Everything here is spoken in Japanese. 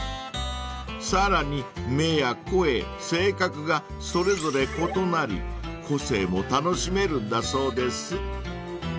［さらに目や声性格がそれぞれ異なり個性も楽しめるんだそうです］